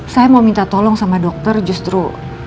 saya mau minta tolong sama dokter justru